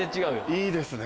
いいですね。